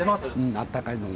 あったかいものが。